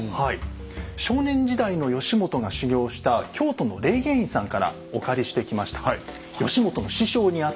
少年時代の義元が修行した京都の霊源院さんからお借りしてきました。